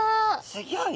すギョい！